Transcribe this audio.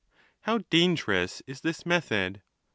How dangerous is this method